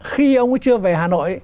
khi ông ấy chưa về hà nội